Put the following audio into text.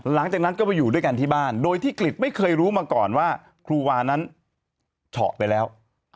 หลังจากนั้นก็ไปอยู่ด้วยกันที่บ้านโดยที่กริจไม่เคยรู้มาก่อนว่าครูวานั้นเฉาะไปแล้ว